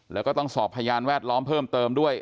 แล้วก็ต้องสอบพยานแวดล้อมเพิ่มเติมด้วย